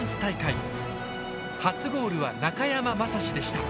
初ゴールは中山雅史でした。